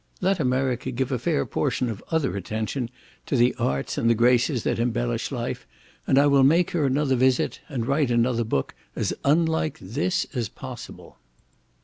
Let America give a fair portion other attention to the arts and the graces that embellish life, and I will make her another visit, and write another book as unlike this as possible.